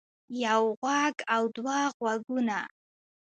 يو غوږ او دوه غوږونه